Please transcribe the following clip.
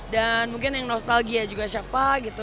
dan mungkin yang nostalgia juga siapa gitu